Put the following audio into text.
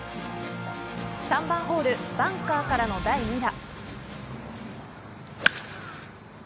３番ホール、バンカーからの第２打。